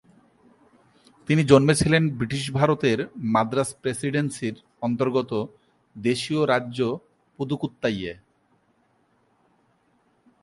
তিনি জন্মেছিলেন ব্রিটিশ ভারতের মাদ্রাজ প্রেসিডেন্সির অন্তর্গত দেশীয় রাজ্য পুদুকোত্তাইয়ে।